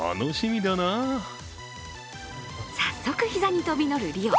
早速、膝に飛び乗るリオ。